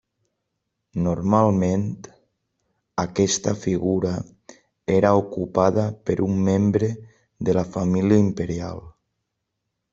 Normalment aquesta figura era ocupada per un membre de la família imperial.